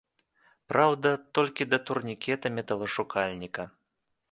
Праўда, толькі да турнікета-металашукальніка.